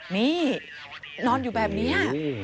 นี่นอนอยู่แบบนี้